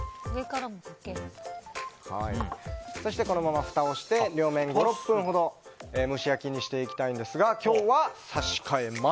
そしてこのままふたをして両面５６分ほど蒸し焼きにしていきたいんですが今日は、差し替えます。